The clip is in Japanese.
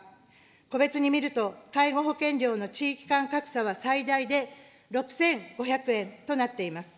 個別に見ると介護保険料の地域間格差は最大で６５００円となっています。